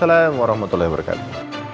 waalaikumsalam warahmatullahi wabarakatuh